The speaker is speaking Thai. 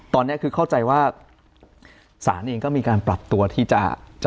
ตอนนี้คือเข้าใจว่าศาลเองก็มีการปรับตัวที่จะ